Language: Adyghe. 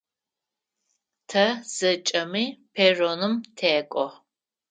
Тэ зэкӏэми перроным тэкӏо.